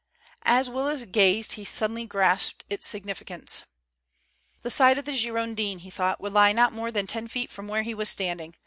As Willis gazed he suddenly grasped its significance. The side of the Girondin, he thought, would lie not more than ten feet from where he was standing.